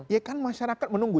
ya kan masyarakat menunggu